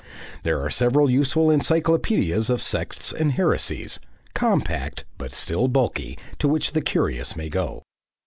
There are several useful encyclopaedias of sects and heresies, compact, but still bulky, to which the curious may go.